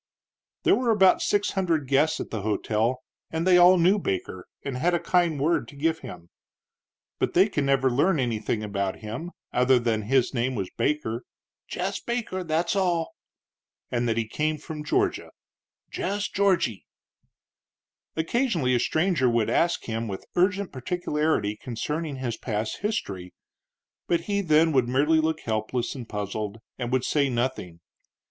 There were six hundred guests at the hotel, and they all knew Baker and had a kind word to give him. But they could never learn anything about him other than that his name was Baker "jess Baker, that's all" and that he came from Georgia "jess Georgy." Occasionally a stranger would ask him with urgent particularity concerning his past history, but he then would merely look helpless and puzzled and would say nothing.